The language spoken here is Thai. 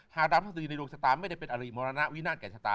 ดาวทัศดีในดวงชะตาไม่ได้เป็นอริมรณวินาศแก่ชะตา